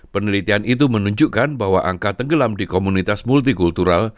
penelitian itu menunjukkan bahwa angka tenggelam di komunitas multikultural